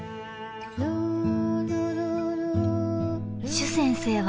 ［朱先生は］